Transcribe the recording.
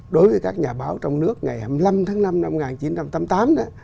đối với các nhà báo trong nước ngày hai mươi năm tháng năm năm một nghìn chín trăm tám mươi tám